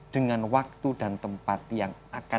dengan waktu dan tempat yang akan kami tentukan